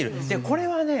これはね